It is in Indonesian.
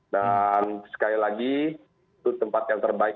dan sekali lagi itu tempat yang terbaik